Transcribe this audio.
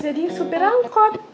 jadi super angkot